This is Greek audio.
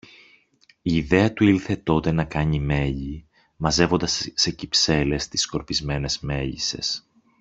Η ιδέα του ήλθε τότε να κάνει μέλι, μαζεύοντας σε κυψέλες τις σκορπισμένες μέλισσες.